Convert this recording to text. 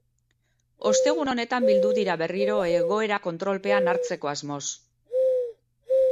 Ostegun honetan bildu dira berriro, egoera kontrolpean hartzeko asmoz.